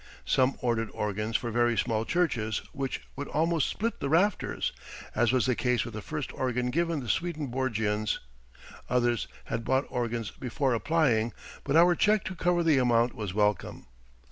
Some ordered organs for very small churches which would almost split the rafters, as was the case with the first organ given the Swedenborgians; others had bought organs before applying but our check to cover the amount was welcome.